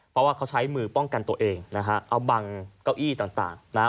เพราะว่าเขาใช้มือป้องกันตัวเองนะฮะเอาบังเก้าอี้ต่างนะฮะ